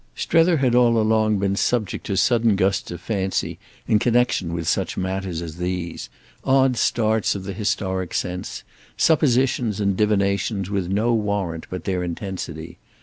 Strether had all along been subject to sudden gusts of fancy in connexion with such matters as these—odd starts of the historic sense, suppositions and divinations with no warrant but their intensity.